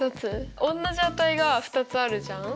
おんなじ値が２つあるじゃん。